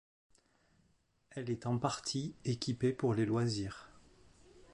Elle est en partie équipée pour les loisirs.